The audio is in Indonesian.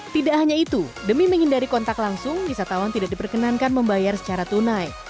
tidak hanya itu demi menghindari kontak langsung wisatawan tidak diperkenankan membayar secara tunai